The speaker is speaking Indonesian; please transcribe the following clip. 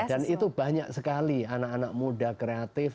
dan itu banyak sekali anak anak muda kreatif